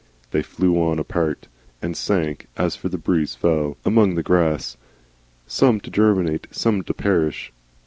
They flew on apart, and sank, as the breeze fell, among the grass: some to germinate, some to perish.